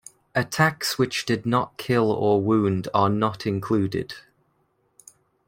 Attacks which did not kill or wound are not included.